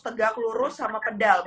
tegak lurus sama pedal